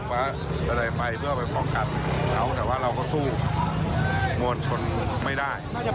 อะไรไปเพื่อไปป้องกันเขาแต่ว่าเราก็สู้มวลชนไม่ได้